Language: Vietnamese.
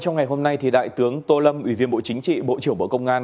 trong ngày hôm nay đại tướng tô lâm ủy viên bộ chính trị bộ trưởng bộ công an